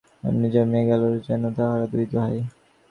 প্রথম হইতেই হরলালের সঙ্গে বেণুর এমনি জমিয়া গেল যেন তাহারা দুই ভাই।